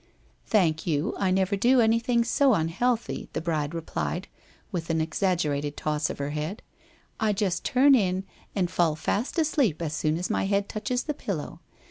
'Thank you, I never do anything so unhealthy,' the bride replied with an exaggerated toss of the head. ' I just turn in, and fall fast asleep as soon as my head touches the pillow.